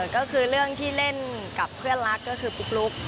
ก็คือเรื่องที่เล่นกับเพื่อนรักก็คือปุ๊กลุ๊ก